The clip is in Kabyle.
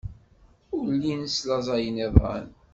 Ur llin slaẓayen iḍan.